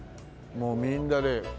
もうみんなね。